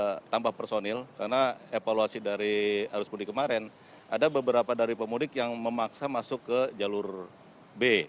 kita tambah personil karena evaluasi dari arus mudik kemarin ada beberapa dari pemudik yang memaksa masuk ke jalur b